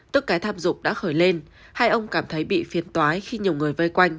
tức cái tham dục đã khởi lên hay ông cảm thấy bị phiền tói khi nhiều người vây quanh